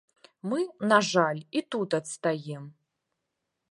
Мы, на жаль, і тут адстаем.